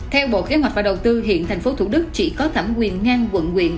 theo bộ kế hoạch và độ tư hiện tp hcm chỉ có thẩm quyền ngang quận quyện